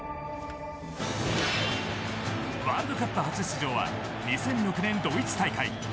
ワールドカップ初出場は２００６年ドイツ大会。